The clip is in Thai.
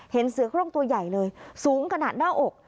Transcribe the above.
เห็นเสือโครงตัวใหญ่เลยสูงขนาดหน้าอก